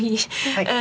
はい。